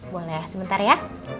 boleh sebentar ya